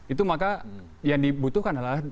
itu maka yang dibutuhkan adalah